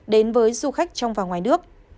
đến với du khách trong và ngoài nước